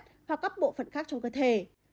hoặc gấp bộ phận khác trong cơ thể